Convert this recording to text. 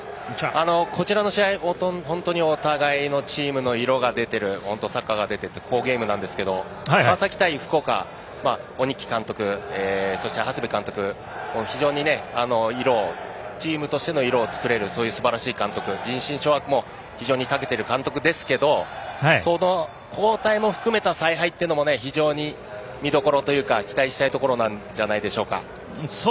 こちらの試合、本当にお互いのチームの色が出ているサッカーが出ている好ゲームなんですけど川崎対福岡鬼木監督と長谷部監督と非常にチームとしての色を作れるそういうすばらしい監督人心掌握がたけている方ですがその交代も含めた采配は非常に見どころというか期待するところじゃないですか？